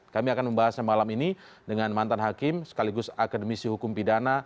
bahasanya malam ini dengan mantan hakim sekaligus akademisi hukum pidana